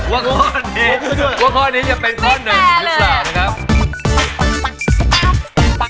ว่าข้อนี้จะเป็นข้อ๑หรือเปล่านะครับ